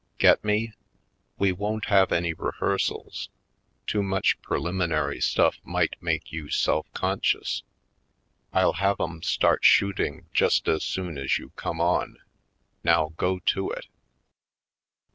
Get me? We won't have any rehearsals — too much preliminary stuff might make you self conscious. I'll have 'em start shooting 134 /. Poindexter^ Colored just as soon as you come on. Now go to it!"